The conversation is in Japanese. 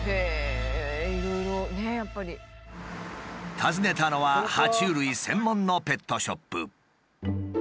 訪ねたのはは虫類専門のペットショップ。